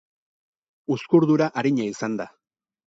Uzkurdura arina izan da.